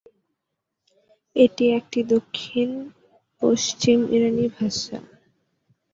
এটি একটি দক্ষিণ-পশ্চিম ইরানি ভাষা।